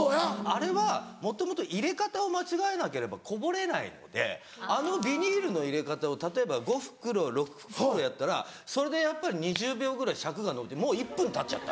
あれはもともと入れ方を間違えなければこぼれないのであのビニールの入れ方を例えば５袋６袋やったらそれでやっぱり２０秒ぐらい尺がのびてもう１分たっちゃった。